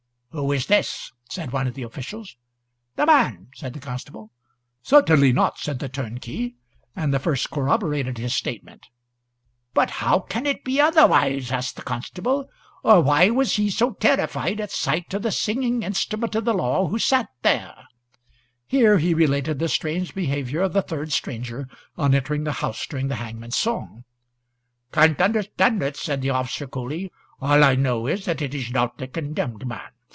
"Who is this?" said one of the officials. "The man," said the constable. "Certainly not," said the other turnkey, and the first corroborated his statement. "But how can it be otherwise?" asked the constable. "Or why was he so terrified at sight o' the singing instrument of the law?" Here he related the strange behaviour of the third stranger on entering the house. "Can't understand it," said the officer, coolly. All I know is that it is not the condemned man.